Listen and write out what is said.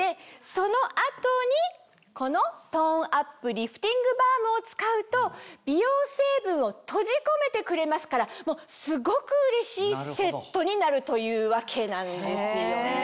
その後にこのトーンアップリフティングバームを使うと美容成分を閉じ込めてくれますからすごくうれしいセットになるというわけなんですよね。